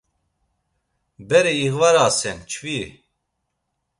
Bere iğvarasen, çvi.